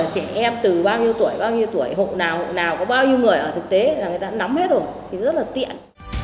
trẻ em từ bao nhiêu tuổi bao nhiêu tuổi hộ nào hộ nào có bao nhiêu người ở thực tế là người ta nắm hết rồi thì rất là tiện